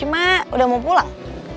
emang udah mau pulang